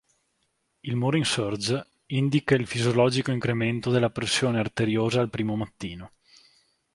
Il morning surge indica il fisiologico incremento della pressione arteriosa al primo mattino.